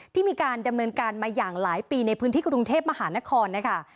ที่มีการดำเนินการมาอย่างหลายปีในพื้นที่กรุงเทพมหานครนะคะ